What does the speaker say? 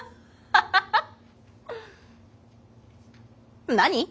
ハハハッ。何？